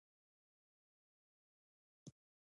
افغانستان د اوښانو د ساتنې لپاره قوانین لري.